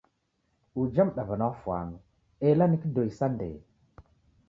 Uja mdaw'ana wafwano ela ni kidoi sa ndee.